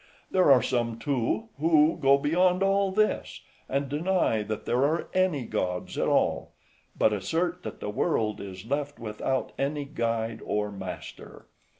There are some too, who go beyond all this, and deny that there are any gods at all, but assert that the world is left without any guide or master.